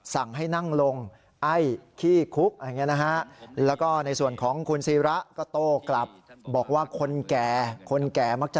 สั่งให้นั่งลงไอ้ขี้คุกอะไรอย่างนี้นะฮะ